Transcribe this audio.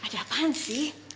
ada apaan sih